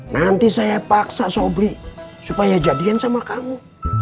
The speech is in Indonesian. nanti saya paksa sobri supaya jadian sama kamu